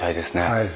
はい。